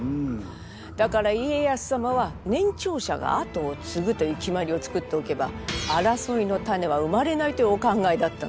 だから家康様は年長者があとを継ぐという決まりを作っておけば争いの種は生まれないというお考えだったのね。